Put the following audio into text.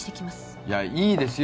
いやいいですよ